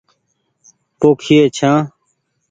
پوکئي ڇآن ۔